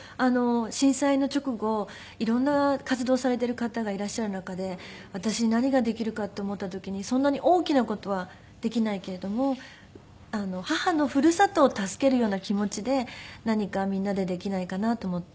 震災の直後色んな活動をされている方がいらっしゃる中で私に何ができるかって思った時にそんなに大きな事はできないけれども母のふるさとを助けるような気持ちで何かみんなでできないかなと思って。